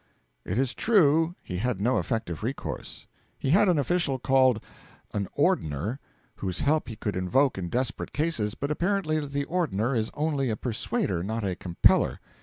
It is true he had no effective recourse. He had an official called an 'Ordner,' whose help he could invoke in desperate cases, but apparently the Ordner is only a persuader, not a compeller.